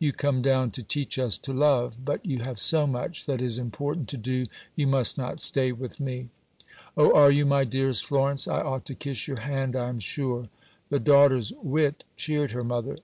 You come down to teach us to love; but you have so much that is important to do, you must not stay with me." "Oh, are you my dearest Florence? I ought to kiss your hand, I am sure." The daughter's wit cheered her mother.